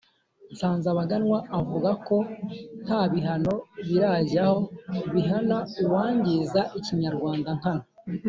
nsanzabaganwa avuga ko nta bihano birajyaho bihana uwangiza ikinyarwanda nkana,